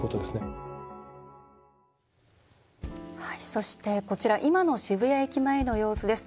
そして、こちら今の渋谷駅前の様子です。